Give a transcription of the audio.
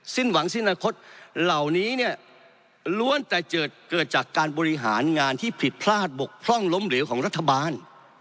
หวังสิ้นอนาคตเหล่านี้เนี่ยล้วนแต่เกิดจากการบริหารงานที่ผิดพลาดบกพร่องล้มเหลวของรัฐบาล